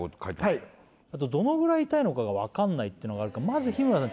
はいあとどのぐらい痛いのかが分かんないってのがあるからまず日村さん